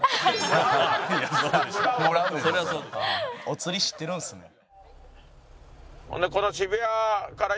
お釣り知ってるんすね。